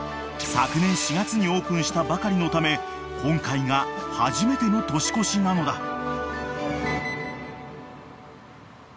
［昨年４月にオープンしたばかりのため今回が初めての年越しなのだ］